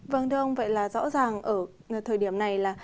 vâng thưa ông vậy là rõ ràng ở thời điểm này là